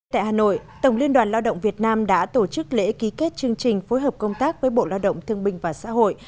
tại hà nội tổng liên đoàn lao động việt nam đã tổ chức lễ ký kết chương trình phối hợp công tác với bộ lao động thương binh và xã hội